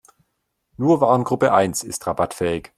Nur Warengruppe eins ist rabattfähig.